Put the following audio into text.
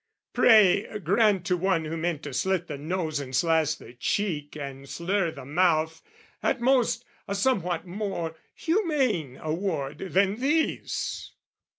Pray, grant to one who meant to slit the nose And slash the cheek and slur the mouth, at most, A somewhat more humane award than these!